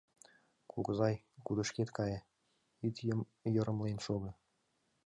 — Кугызай, кудышкет кае, ит йырымлен шого.